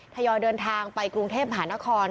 ยอยเดินทางไปกรุงเทพหานคร